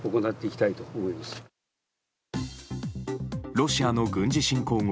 ロシアの軍事侵攻後